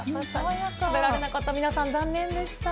食べられなかった皆さん、残念でした。